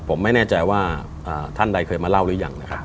ผมไม่แน่ใจว่าท่านใดเคยมาเล่าหรือยังนะครับ